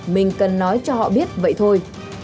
mình cần nói cho họ biết vậy thôi